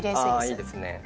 あいいですね。